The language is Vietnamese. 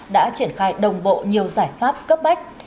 đã triển khai đồng bộ nhiều giải pháp cấp bách